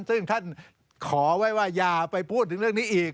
ซึ่งท่านขอไว้ว่าอย่าไปพูดถึงเรื่องนี้อีก